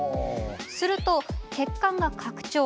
すると、血管が拡張。